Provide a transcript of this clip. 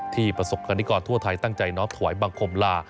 ที่ประศกรณีกรทั่วไทยตั้งใจทวายบังคมลา